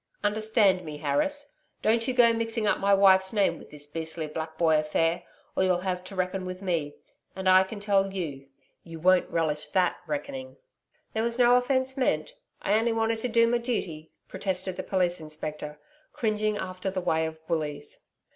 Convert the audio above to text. Understand me, Harris. Don't you go mixing up my wife's name with this beastly black boy affair, or you'll have to reckon with me and I can tell you, you won't relish that reckoning.' 'There was no offence meant. I only wanted to do my duty,' protested the Police Inspector, cringing after the way of bullies.